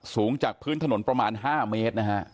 สูงจากพื้นถนนประมาณ๕เมตรนะฮะ